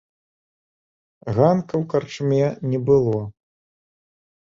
Ганка ў карчме не было.